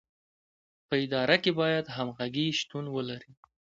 په اداره کې باید همغږي شتون ولري.